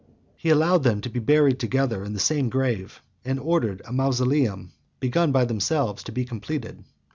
He allowed them to be buried together in the same grave, and ordered a mausoleum, begun by themselves, to be completed.